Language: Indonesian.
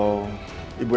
untuk memahami bahwa